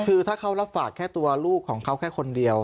คือถ้าเขารับฝากแค่ตัวลูกของเขาแค่คนเดียว